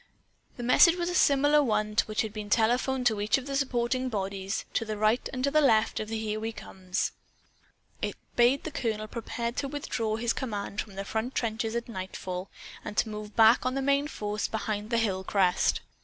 The message was similar to one which had been telephoned to each of the supporting bodies, to right and to left of the Here We Comes. It bade the colonel prepare to withdraw his command from the front trenches at nightfall, and to move back on the main force behind the hill crest.